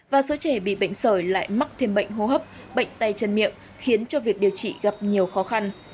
và số trẻ bị bệnh sởi lại mắc thêm bệnh hô hấp bệnh tay chân miệng khiến cho việc điều trị gặp nhiều khó khăn